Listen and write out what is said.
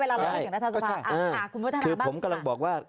เวลาเราพูดถึงรัฐสภาคุณพุทธนาบ้างคุณพูดถึงรัฐสภาคือผมกำลังบอกว่า